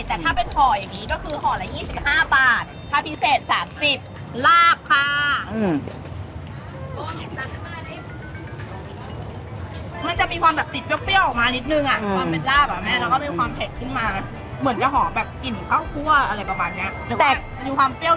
แต้นน้ำเปรี้ยวและเผ็ดออกมาดิ